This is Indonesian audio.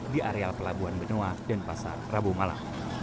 di areal pelabuhan benoa dan pasar rabu malam